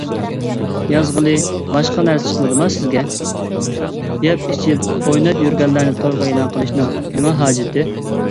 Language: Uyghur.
يازغىلى باشقا نەرسە چىقمىدىما سىزگە؟ يەپ-ئىچىپ ئويناپ يۈرگەنلەرنى تورغا ئېلان قىلىشنىڭ نېمە ھاجىتى؟